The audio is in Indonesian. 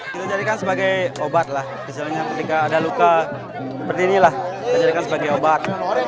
kita jadikan sebagai obat lah misalnya ketika ada luka seperti inilah kita jadikan sebagai obat